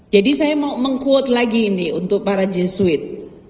jadi saya mau meng quote lagi ini untuk para jesuit